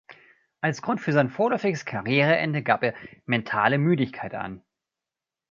Als Grund für sein vorläufiges Karriereende gab er „mentale Müdigkeit“ an.